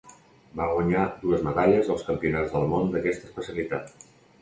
Va guanyar dues medalles als Campionats del món d'aquesta especialitat.